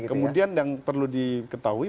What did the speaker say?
kemudian yang perlu diketahui